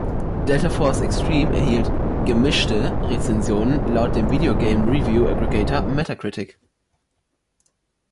Delta Force: Xtreme erhielt "gemischte" Rezensionen laut dem Video Game Review Aggregator Metacritic.